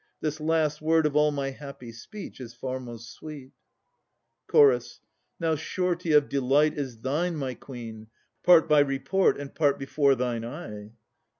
This last word Of all my happy speech is far most sweet. CH. Now surety of delight is thine, my Queen, Part by report and part before thine eye.